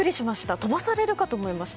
飛ばされるかと思いました。